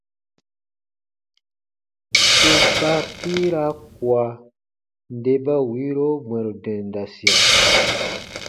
U baa kiira kua nde ba wiiro bwɛ̃ru dendasia.